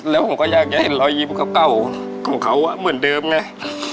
แล้วผมก็อยากจะเห็นรอยยิ้มเก่าของเขาเหมือนเดิมไง